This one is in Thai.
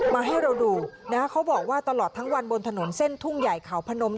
มาให้เราดูนะคะเขาบอกว่าตลอดทั้งวันบนถนนเส้นทุ่งใหญ่เขาพนม